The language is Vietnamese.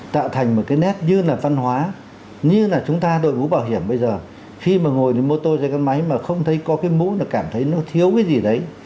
tạo thành một cái nét như là văn hóa như là chúng ta đội mũ bảo hiểm bây giờ khi mà ngồi thì mô tô xe cái máy mà không thấy có cái mũ là cảm thấy nó thiếu cái gì đấy